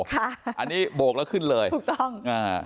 ค่ะอันนี้โบกแล้วขึ้นเลยถูกต้องอ่า